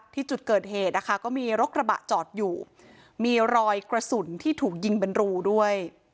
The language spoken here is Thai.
ที่จุดเกิดเหตุนะคะก็มีรถกระบะจอดอยู่มีรอยกระสุนที่ถูกยิงเป็นรูด้วย